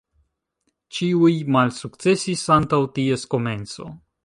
Ĉiuj malsukcesis antaŭ ties komenco.